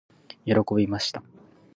喜びました。